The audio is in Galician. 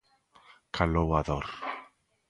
Calou a dor.